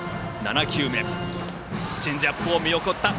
チェンジアップを見送った。